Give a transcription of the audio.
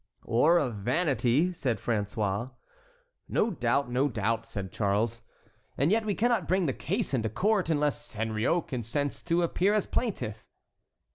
"Or of vanity," said François. "No doubt, no doubt," said Charles. "And yet we cannot bring the case into court unless Henriot consents to appear as plaintiff."